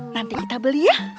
nanti kita beli ya